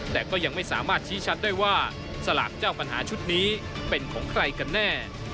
แต่ก็ยังไม่สามารถชี้ชัดได้ว่าสลากเจ้าปัญหาชุดนี้เป็นของใครกันแน่